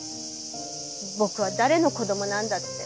僕は誰の子供なんだって。